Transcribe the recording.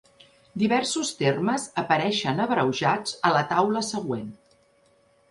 Diversos termes apareixen abreujats a la taula següent.